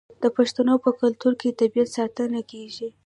د پښتنو په کلتور کې د طبیعت ساتنه کیږي.